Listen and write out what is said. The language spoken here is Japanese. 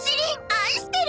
愛してる！